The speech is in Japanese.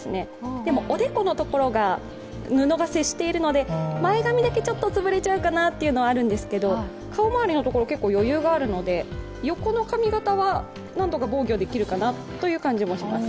でも、おでこのところが布が接しているので、前髪だけちょっと潰れちゃうかなというのはあるんですけど、顔周りのところ、余裕があるので横の髪形は何とか防御できるかなという感じもします。